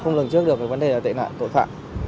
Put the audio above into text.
không lường trước được cái vấn đề là tệ nạn tội phạm